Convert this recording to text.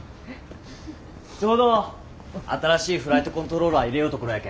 ちょうど新しいフライトコントローラー入れようところやけん。